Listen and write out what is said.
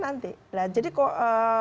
nanti jadi kok